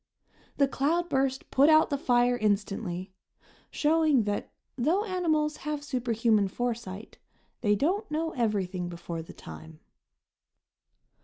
The cloudburst put out the fire instantly, showing that, though animals have superhuman foresight, they don't know everything before the time.